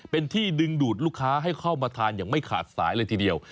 เป็นที่ดึงดูดลูกค้าให้เข้ามาทานอย่างไม่ขาดสายเลยทีเดียว